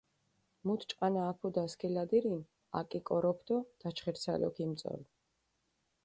მუთ ჭყანა აფუდჷ ასქილადირინ, აკიკოროფჷ დო დაჩხირცალო ქიმწოლჷ.